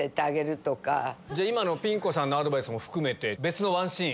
ピン子さんのアドバイスも含めて別のワンシーン。